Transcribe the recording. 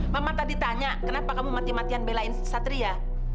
mama tadi tanya kenapa kamu mati matian belain satria